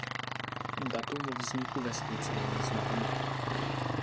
Datum vzniku vesnice není známo.